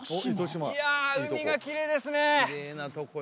いやあ海がきれいですね